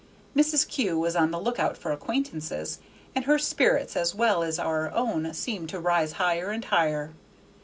Mrs. Kew was on the lookout for acquaintances, and her spirits as well as our own seemed to rise higher and higher.